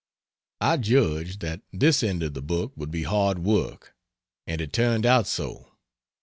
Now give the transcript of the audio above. I judged that this end of the book would be hard work, and it turned out so.